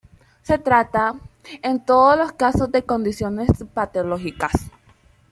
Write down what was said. Se trata, en todos los casos de condiciones patológicas.